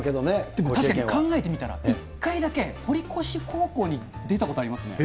でも確かに考えてみたら、１回だけ堀越高校に出たことありますね。